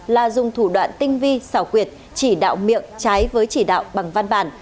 là dùng thủ đoạn tinh vi xảo quyệt chỉ đạo miệng trái với chỉ đạo bằng văn bản